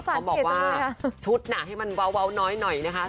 พอบอกว่าชุดน่ะให้มันเวาน้อยนะคะ